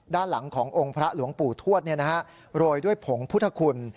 ด้านหลังขององค์พระหลวงปู่ทวดโรยด้วยผงพุทธคุณ